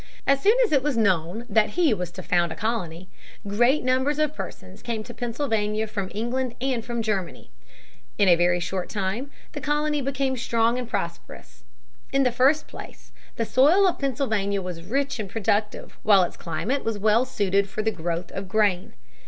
As soon as it was known that he was to found a colony, great numbers of persons came to Pennsylvania from England and from Germany. In a very short time the colony became strong and prosperous. In the first place, the soil of Pennsylvania was rich and productive while its climate was well suited to the growth of grain.